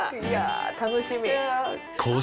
いや楽しみ。